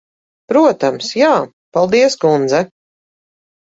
Protams, jā. Paldies, kundze.